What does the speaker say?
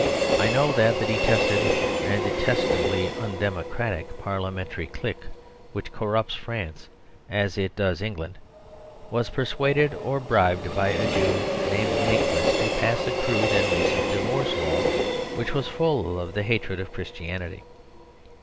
I know that the detested and detestably undemocratic par liamentary clique, which corrupts France as it does England, was persuaded or bribed by a Jew named Naquet to pass a crude and re cent divorce law, which was full of the hatred of Christianity.